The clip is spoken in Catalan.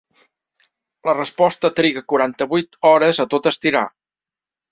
La resposta triga quaranta-vuit hores, a tot estirar.